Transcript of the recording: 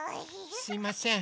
すいません。